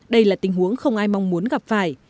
đây là tình huống không ai mong muốn gặp phải